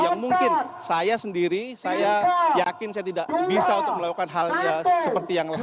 yang mungkin saya sendiri saya yakin saya tidak bisa untuk melakukan hal yang seperti yang lain